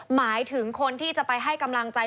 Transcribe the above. หมายถึงคนที่จะไปให้กำลังใจ